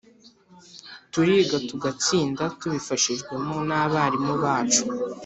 Turiga tugatsinda tubifashijwemo n'abarimu bacu